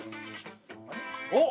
おっ！